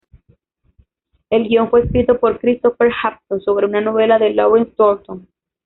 El guion fue escrito por Christopher Hampton sobre una novela de Lawrence Thornton.